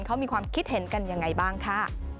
เขามีความคิดเห็นกันยังไงบ้างค่ะ